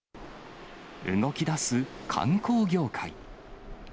動きだす観光業界。